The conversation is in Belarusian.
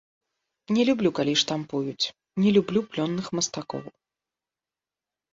Не люблю, калі штампуюць, не люблю плённых мастакоў.